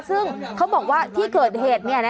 ซึ่งเขาบอกว่าที่เกิดเหตุ